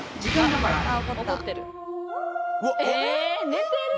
寝てる！